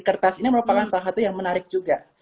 kertas ini merupakan salah satu yang menarik juga